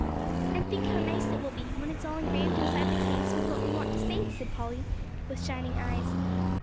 "And think how nice it will be, when it's all engraved inside the case with what we want to say," said Polly, with shining eyes.